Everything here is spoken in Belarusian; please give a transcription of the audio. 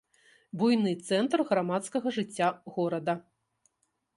Буйны цэнтр грамадскага жыцця горада.